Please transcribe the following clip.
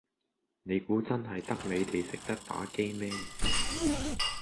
你估真係得你地識打機咩